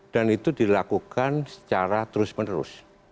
dan itu dilakukan secara terus menerus